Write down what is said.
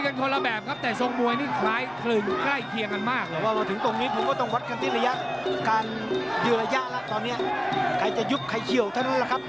ใครจะยุบใครเชี่ยวเท่านั้นล่ะครับ